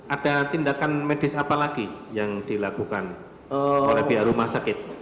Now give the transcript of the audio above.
ada tindakan medis apa lagi yang dilakukan oleh pihak rumah sakit